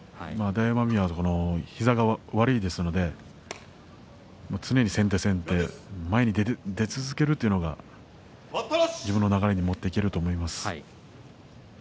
大奄美は膝が悪いですので常に先手先手前に出続けるというのが自分の流れに持っていけるんだと思います。